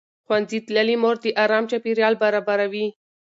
ښوونځې تللې مور د ارام چاپېریال برابروي.